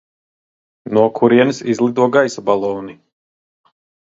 No kurienes izlido gaisa baloni?